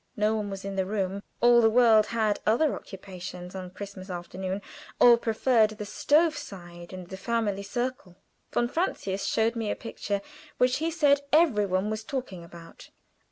No one was in the room. All the world had other occupations on Christmas afternoon, or preferred the stove side and the family circle. Von Francius showed me a picture which he said every one was talking about.